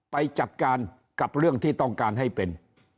ไปจัดการกับเรื่องที่ต้องการให้เป็น